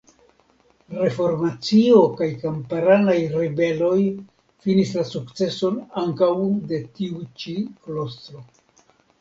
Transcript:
Reformacio kaj kamparanaj ribeloj finis la sukceson ankaŭ de tiu ĉi klostro.